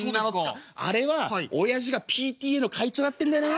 あれはおやじがＰＴＡの会長やってんだよな」。